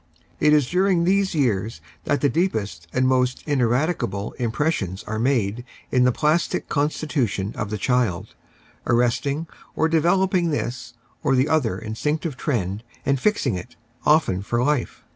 It is during these years that the deepest and most ineradicable impres sions are made in the plastic constitution of the child, arrest ing or developing this or the other instinctive trend and fixing it, often for life.